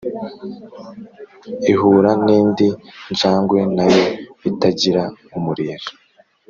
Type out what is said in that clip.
ihura n’indi njangwe na yo itagira umurizo